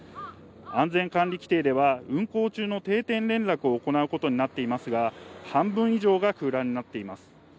安全管理規程では運航中の定点連絡を行うことになっていますが、半分以上が空欄になっています。